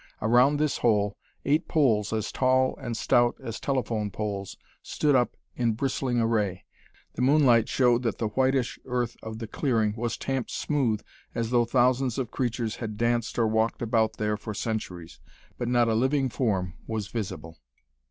Around this hole, eight poles as tall and stout as telephone poles stood up in bristling array. The moonlight showed that the whitish earth of the clearing was tamped smooth as though thousands of creatures had danced or walked about there for centuries. But not a living form was visible.